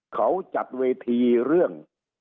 เขาจัดเวทีเรื่อง